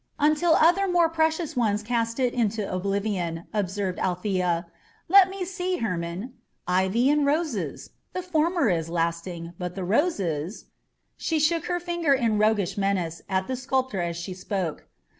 "Until other more precious ones cast it into oblivion," observed Althea. "Let me see, Hermon: ivy and roses. The former is lasting, but the roses " She shook her finger in roguish menace at the sculptor as she spoke.